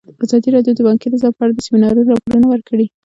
ازادي راډیو د بانکي نظام په اړه د سیمینارونو راپورونه ورکړي.